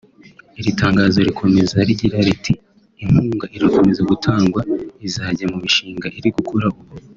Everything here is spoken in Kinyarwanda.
Iri tangazo rikomeza rigira riti “Inkunga irakomeza gutangwa izajya mu mishinga iri gukora ubu